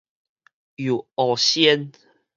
遊學仙